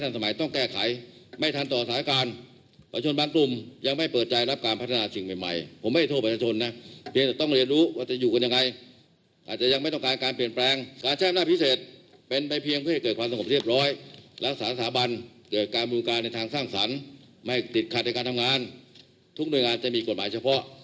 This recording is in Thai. ทางสร้างสรรค์ไม่ติดขาดในการทำงานทุกนึงงานจะมีกฎหมายเฉพาะ